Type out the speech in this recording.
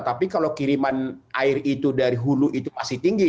tapi kalau kiriman air itu dari hulu itu masih tinggi